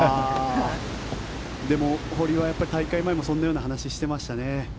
堀は大会前もそのような話をしていましたね。